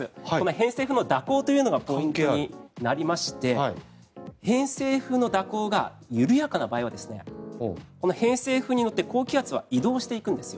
偏西風の蛇行というのがポイントになりまして偏西風の蛇行が緩やかな場合は偏西風に乗って高気圧は移動していくんです。